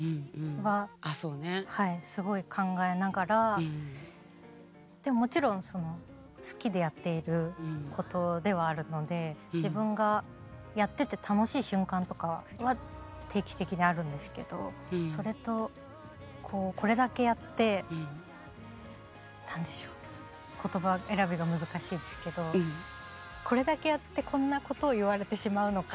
はいすごい考えながらでももちろんその好きでやっていることではあるので自分がやってて楽しい瞬間とかは定期的にあるんですけどそれとこれだけやって何でしょう言葉選びが難しいですけどこれだけやってこんなことを言われてしまうのか。